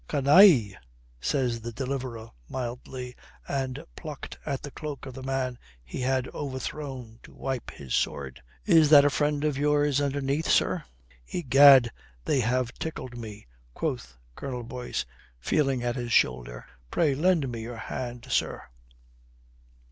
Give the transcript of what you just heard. "Canaille," says the deliverer mildly, and plucked at the cloak of the man he had overthrown to wipe his sword. "Is that a friend of yours underneath, sir?" "Egad, they have tickled me," quoth Colonel Boyce, feeling at his shoulder. "Pray, lend me your hand, sir."